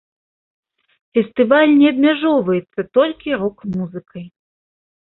Фестываль не абмяжоўваецца толькі рок-музыкай.